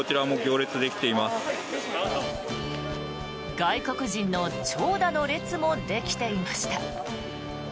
外国人の長蛇の列もできていました。